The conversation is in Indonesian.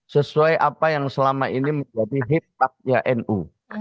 sesuai apa yang selama ini menjadi hikmatnya nu